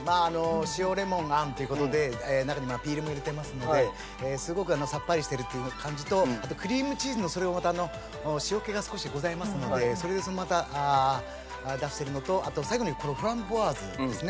塩レモンのあんという事で中にはピールも入れてますのですごくさっぱりしてるという感じとあとクリームチーズのそれをまたあの塩っ気が少しございますのでそれでまた出してるのと最後にこのフランボワーズですね。